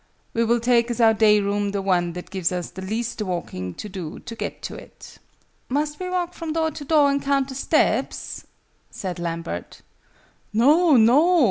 "We will take as our day room the one that gives us the least walking to do to get to it." "Must we walk from door to door, and count the steps?" said Lambert. "No, no!